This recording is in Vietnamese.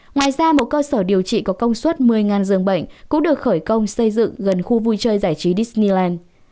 ngoài ra một cơ sở điều trị có công suất một mươi dường bệnh cũng được khởi công xây dựng gần khu vui chơi giải trí disnyland